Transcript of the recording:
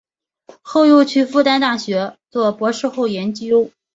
后又去复旦大学做博士后研究。